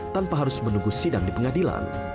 tanpa harus menunggu sidang di pengadilan